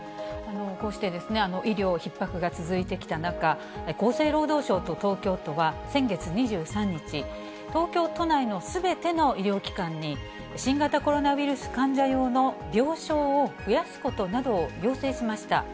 こうして医療ひっ迫が続いてきた中、厚生労働省と東京都は、先月２３日、東京都内のすべての医療機関に、新型コロナウイルス患者用の病床を増やすことなどを要請しました。